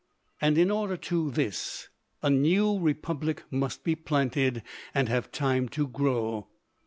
And in order to this a new republic must be planted and have time to grow.